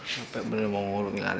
sampai bener mau ngurungin ada lu